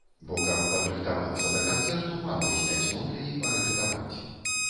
Бо каб падрыхтавацца да канцэрту, мала зняць ноты і парэпетаваць.